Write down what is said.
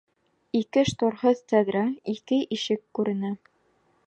Ике шторһыҙ тәҙрә, ике ишек күренә.